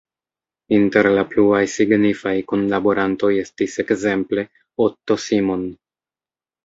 Inter la pluaj signifaj kunlaborantoj estis ekzemple Otto Simon.